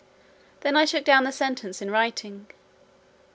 Then I took down the sentence in writing.